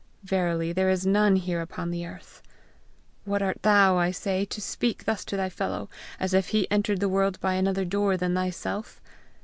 Verily there is none here upon the earth!' Who art thou, I say, to speak thus to thy fellow, as if he entered the world by another door than thyself!